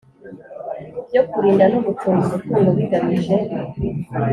Byo kurinda no gucunga umutungo bigamije